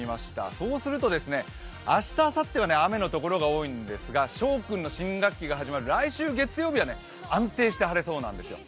そうすると、明日あさっては雨の所が多いんですが、しょうくんの新学期が始まる来週月曜日は安定して晴れそうなんですよ。